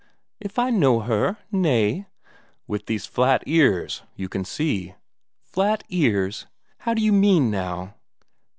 "If I know her? Nay...." "With these flat ears, you can see." "Flat ears? How d'you mean now?